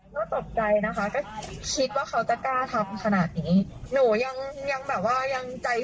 ก็ตกใจนะคะก็คิดว่าเขาจะกล้าทำขนาดนี้หนูยังยังแบบว่ายังใจ